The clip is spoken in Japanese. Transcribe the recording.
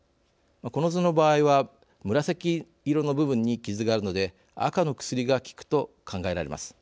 この図の場合は紫色の部分にキズがあるので赤の薬が効くと考えられます。